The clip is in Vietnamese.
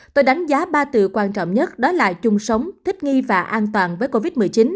tôi đánh giá ba từ quan trọng nhất đó là chung sống thích nghi và an toàn với covid một mươi chín